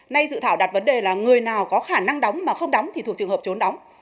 nay dự thảo đặt vấn đề là người nào có khả năng đóng mà không đóng thì thuộc trường hợp trốn đóng